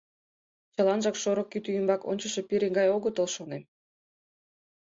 Чыланжак шорык кӱтӱ ӱмбак ончышо пире гай огытыл, шонем.